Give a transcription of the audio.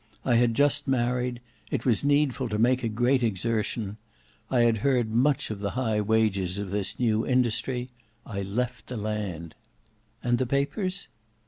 I had just married; it was needful to make a great exertion. I had heard much of the high wages of this new industry; I left the land." "And the papers?"